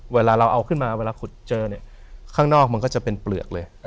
เวลาเราเอาขึ้นมาเวลาขุดเจอเนี่ยข้างนอกมันก็จะเป็นเปลือกเลย